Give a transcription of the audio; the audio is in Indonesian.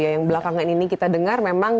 yang belakangan ini kita dengar memang